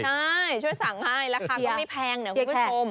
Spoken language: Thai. ใช่ช่วยสั่งให้ราคาก็ไม่แพงนะคุณผู้ชม